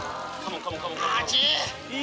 熱い！